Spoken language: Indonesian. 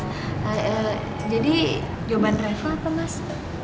eh eh jadi jawaban raifah apa mas